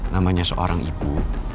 namanya seorang ibu